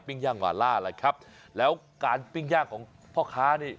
ย่างวาล่าล่ะครับแล้วการปิ้งย่างของพ่อค้านี่